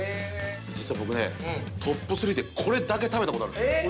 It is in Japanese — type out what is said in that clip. ◆実は僕ね、トップ３って、これだけ食べたことがある。